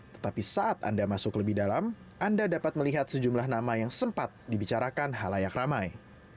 tetapi saat anda masuk lebih dalam anda dapat melihat sejumlah nama yang sempat dibicarakan halayak ramai